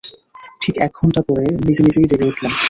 ঠিক এক ঘণ্টা পরে নিজেনিজেই জেগে উঠলেন।